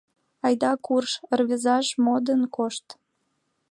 — Айда курж, рвезаш, модын кошт!